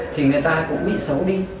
thì người ta cũng bị xấu đi